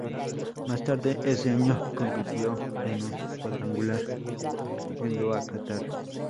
Más tarde ese año compitió en un cuadrangular en Doha, Catar.